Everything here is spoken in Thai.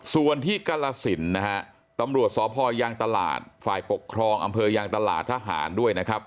ส่วนที่กรสินนะฮะตำรวจสพยางตลาดฝ่ายปกครองอำเภอยางตลาดทหารด้วยนะครับ